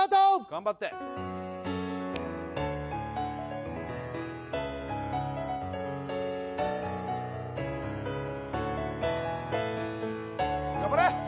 頑張れ！